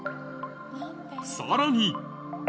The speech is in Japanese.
さらに！